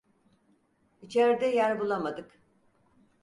İçeride yer bulamadık.